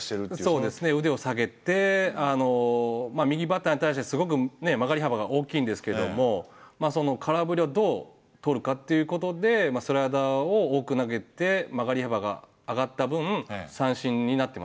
そうですね腕を下げて右バッターに対してすごくね曲がり幅が大きいんですけどもまあその空振りをどう取るかっていうことでスライダーを多く投げて曲がり幅が上がった分三振になってますよね。